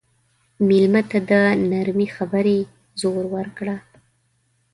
مېلمه ته د نرمې خبرې زور ورکړه.